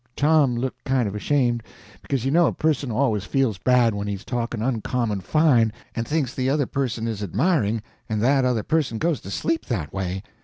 Tom looked kind of ashamed, because you know a person always feels bad when he is talking uncommon fine and thinks the other person is admiring, and that other person goes to sleep that way.